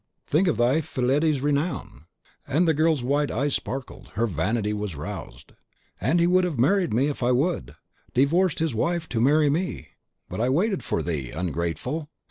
Think of thy Fillide's renown!" And the girl's wild eyes sparkled; her vanity was roused. "And he would have married me if I would! divorced his wife to marry me! But I waited for thee, ungrateful!"